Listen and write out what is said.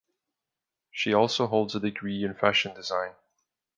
She also holds a degree in fashion design.